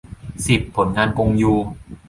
สิบ ผลงานกงยู